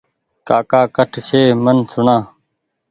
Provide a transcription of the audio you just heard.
ڪاڪا ڪٺ ڇي ميٚن سوڻا